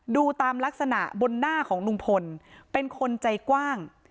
ดูตามลักษณะบนหน้าของลุงพลเป็นคนใจกว้าง